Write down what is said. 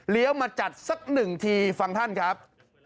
มาจัดสักหนึ่งทีฟังท่านครับ